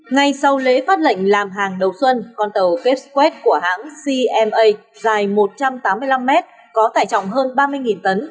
ngay sau lễ phát lệnh làm hàng đầu xuân con tàu ketwat của hãng cma dài một trăm tám mươi năm mét có tải trọng hơn ba mươi tấn